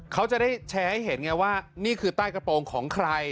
เขาจะได้แชร์ให้เห็นไงว่านี่คือใต้กระโปรงของใคร